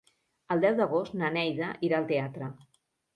El deu d'agost na Neida irà al teatre.